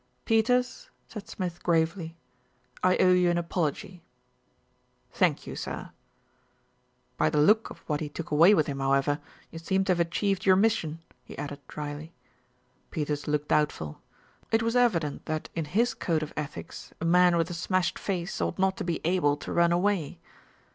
"Peters," said Smith gravely, "I owe you an apol ogy." "Thank you, sir." "By the look of what he took away with him, how ever, you seem to have achieved your mission," he added drily. Peters looked doubtful. It was evident that in his code of ethics, a man with a smashed face ought not to be able to run away.